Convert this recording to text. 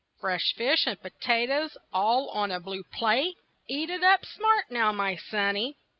Fresh fish and potatoes all on a blue plate Eat it up smart now, my sonny.